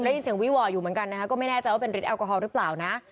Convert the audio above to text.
ได้ยินเสียงวีห่ออยู่เหมือนกันนะคะก็ไม่แน่ใจว่าเป็นฤทธแอลกอฮอลหรือเปล่านะ